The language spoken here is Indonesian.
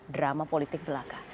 drama politik belaka